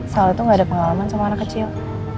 soal itu gak ada pengalaman sama anak kecil